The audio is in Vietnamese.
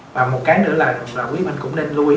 và một cái nữa là quý minh cũng nên lưu ý